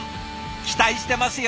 期待してますよ。